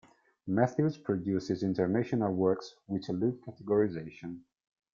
Matthews produces international works which elude categorization.